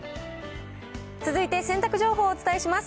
続いて洗濯情報をお伝えします。